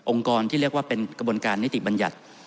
กรที่เรียกว่าเป็นกระบวนการนิติบัญญัติ